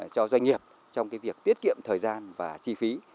cho doanh nghiệp trong việc tiết kiệm thời gian và chi phí